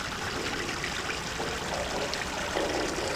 治所在今贵州省开阳县南。